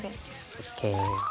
ＯＫ。